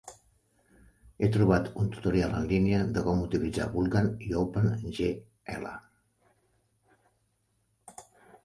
He trobat un tutorial en línia de com utilitzar Vulkan i OpenGL.